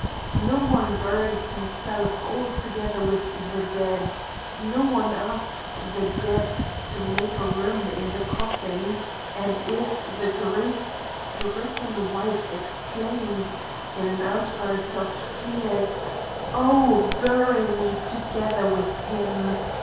No one buries himself together with the dead, no one asks the dead to make room in the coffin, and if the grief stricken wife exclaims, in an outburst of tears, "Oh, bury me together with him!"